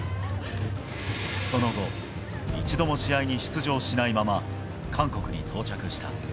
その後、一度も試合に出場しないまま韓国に到着した。